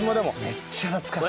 めっちゃ懐かしい。